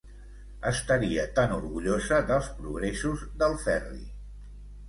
Estaria tan orgullosa dels progressos del Ferri!